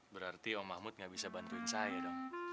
berarti om mahmud nggak bisa bantuin saya dong